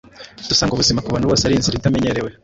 dusanga ubuzima ku bantu bose ari inzira itamenyerewe.